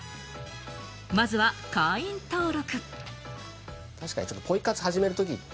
まずは会員登録。